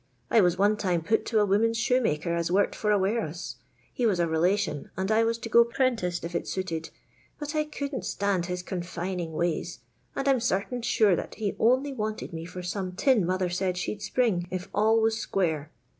I was one time put to a woman's shoe maker as worked for a ware'us. He was a rehition, and I was to go prentice if it suited. But I couldn't stand his confining irays, and I 'm sartain sura tiiat he only vranted me for some tin mother said she 'd spring if all was square.